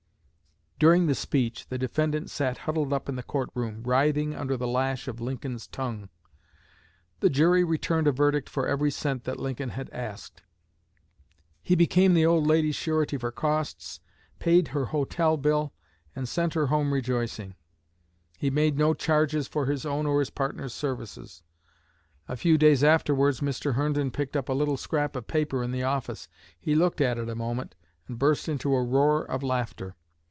During the speech the defendant sat huddled up in the court room, writhing under the lash of Lincoln's tongue. The jury returned a verdict for every cent that Lincoln had asked. He became the old lady's surety for costs, paid her hotel bill and sent her home rejoicing. He made no charges for his own or his partner's services. A few days afterwards Mr. Herndon picked up a little scrap of paper in the office. He looked at it a moment, and burst into a roar of laughter.